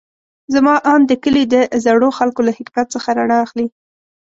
زما اند د کلي د زړو خلکو له حکمت څخه رڼا اخلي.